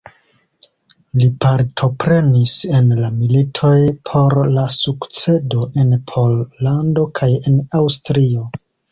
Li partoprenis en la militoj por la sukcedo en Pollando kaj en Aŭstrio.